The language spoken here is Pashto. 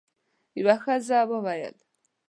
یوه ښځه وویل: